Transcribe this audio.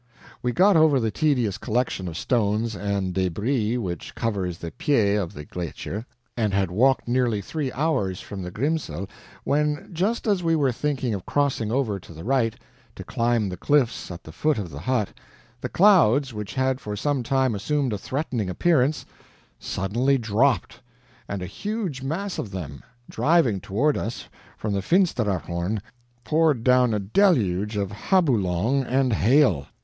We got over the tedious collection of stones and DÉBRIS which covers the PIED of the GLETCHER, and had walked nearly three hours from the Grimsel, when, just as we were thinking of crossing over to the right, to climb the cliffs at the foot of the hut, the clouds, which had for some time assumed a threatening appearance, suddenly dropped, and a huge mass of them, driving toward us from the Finsteraarhorn, poured down a deluge of HABOOLONG and hail.